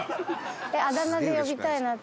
あだ名で呼びたいなって。